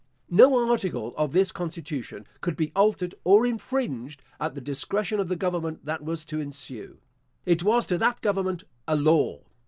No article of this constitution could be altered or infringed at the discretion of the government that was to ensue. It was to that government a law.